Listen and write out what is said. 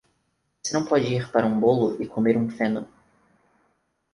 Você não pode ir para um bolo e comer um feno.